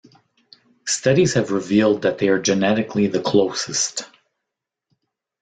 Studies have revealed that they are genetically the closest.